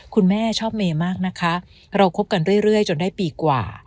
คุณแม่ชอบเมย์มากนะคะเราคบกันเรื่อยจนได้ปีกว่า